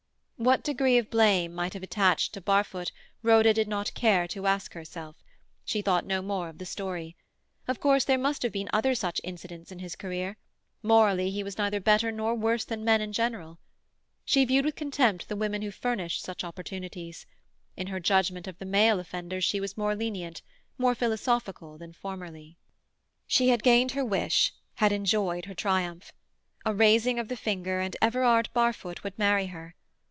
What degree of blame might have attached to Barfoot, Rhoda did not care to ask herself; she thought no more of the story. Of course there must have been other such incidents in his career; morally he was neither better nor worse than men in general. She viewed with contempt the women who furnished such opportunities; in her judgment of the male offenders she was more lenient, more philosophical, than formerly. She had gained her wish, had enjoyed her triumph. A raising of the finger and Everard Barfoot would marry her.